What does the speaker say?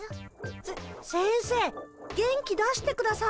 せ先生元気出してください。